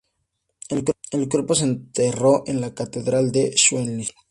El cuerpo se enterró en la catedral de Schleswig.